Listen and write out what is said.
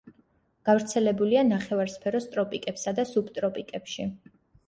გავრცელებულია ნახევარსფეროს ტროპიკებსა და სუბტროპიკებში.